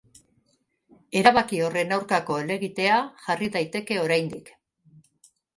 Erabaki horren aurkako helegitea jarri daiteke oraindik.